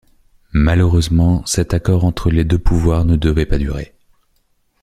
Malheureusement, cet accord entre les deux pouvoirs ne devait pas durer.